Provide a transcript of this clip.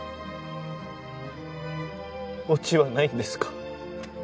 オチはないんですか？